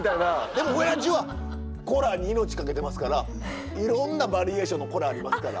でもおやじは「コラッ！」に命懸けてますからいろんなバリエーションの「コラッ！」ありますから。